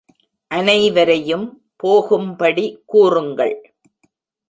அனைவரையும் போகும்படி கூறுங்கள்.